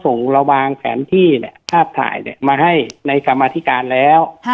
ส่งระวังแผนที่นี่ทาบถ่ายนี่มาให้ในครมธิการแล้ว